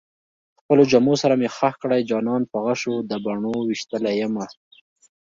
خپلو جامو سره مې خښ کړئ جانان په غشو د بڼو ويشتلی يمه